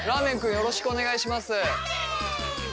よろしくお願いします。